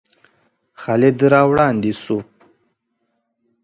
خالد را وړاندې شو.